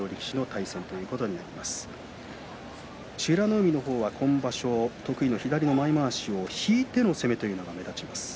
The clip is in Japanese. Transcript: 海の方は今場所得意の左の前まわしを引いての攻めというのが目立ちます。